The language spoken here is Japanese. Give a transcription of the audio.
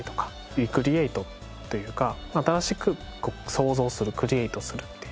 リクリエイトというか新しく創造するクリエイトするという。